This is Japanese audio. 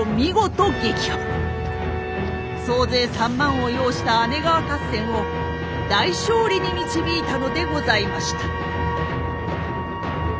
総勢３万を擁した姉川合戦を大勝利に導いたのでございました。